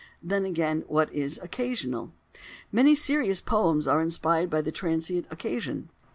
Then again, what is "occasional"? Many serious poems are inspired by the transient occasion.